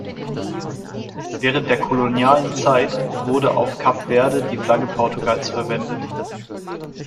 Während der kolonialen Zeit wurde auf Kap Verde die Flagge Portugals verwendet.